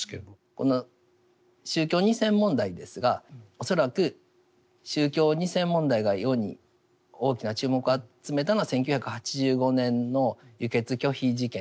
この宗教２世問題ですが恐らく宗教２世問題が世に大きな注目を集めたのは１９８５年の輸血拒否事件